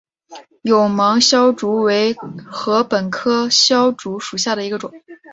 有芒筱竹为禾本科筱竹属下的一个种。